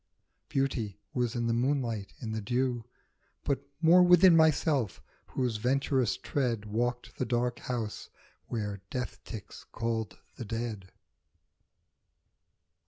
Beauty was in the moonlight, in the dew, But more within myself, whose venturous tread Walked the dark house where death ticks called the dead.